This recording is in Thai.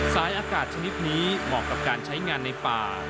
สายอากาศชนิดนี้เหมาะกับการใช้งานในป่า